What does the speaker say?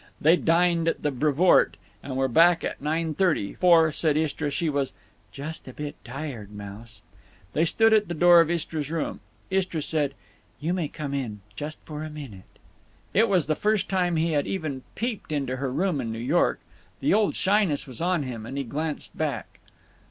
They dined at the Brevoort, and were back at nine thirty; for, said Istra, she was "just a bit tired, Mouse." They stood at the door of Istra's room. Istra said, "You may come in—just for a minute." It was the first time he had even peeped into her room in New York. The old shyness was on him, and he glanced back.